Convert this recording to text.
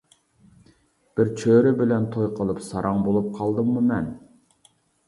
بىر چۆرە بىلەن توي قىلىپ ساراڭ بولۇپ قالدىممۇ مەن.